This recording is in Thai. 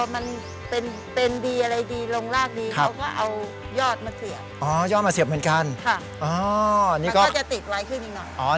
มันก็จะติดไล่ขึ้นอีกหน่อย